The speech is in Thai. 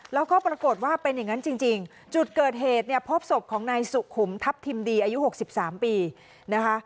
แล้วก็ปรากฏว่าเป็นอย่างนั้นจริงจุดเกิดเหตุเนี่ยพบศพของนายสุขุมทัพทิมดีอายุ๖๓ปีนะคะ